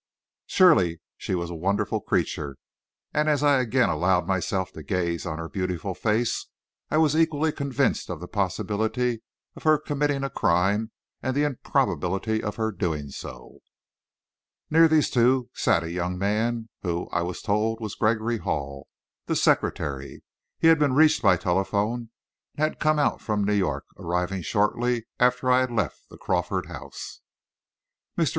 Surely she was a wonderful creature, and as I again allowed myself to gaze on her beautiful face I was equally convinced of the possibility of her committing a crime and the improbability of her doing so. Near these two sat a young man who, I was told, was Gregory Hall, the secretary. He had been reached by telephone, and had come out from New York, arriving shortly after I had left the Crawford house. Mr.